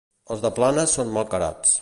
Els de Planes són malcarats.